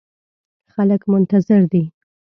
خلګ منتظر دي